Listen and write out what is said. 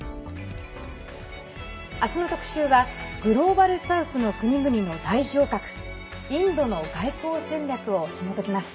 明日の特集はグローバル・サウスの国々の代表格、インドの外交戦略をひもときます。